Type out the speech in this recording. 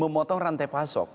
memotong rantai pasok